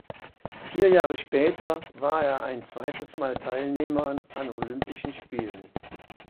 Vier Jahre später war er ein zweites Mal Teilnehmer an Olympischen Spielen.